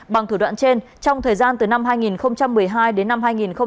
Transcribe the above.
bằng thủ đoạn trên trong thời gian từ năm hai nghìn một mươi hai đến năm hai nghìn một mươi bảy